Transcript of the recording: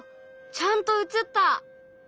ちゃんと映った！